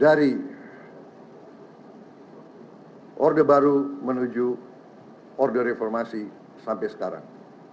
dari orde baru menuju order reformasi sampai sekarang